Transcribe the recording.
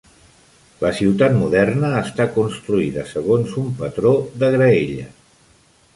La ciutat moderna està construïda segons un patró de graella.